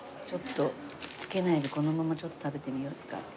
ちょっとつけないでこのまま食べてみよう一回。